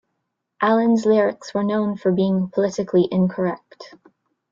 Allin's lyrics were known for being politically incorrect.